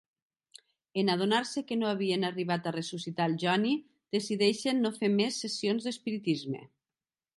En adonar-se que no havien arribat a ressuscitar el Johnny, decideixen no fer més sessions d'espiritisme.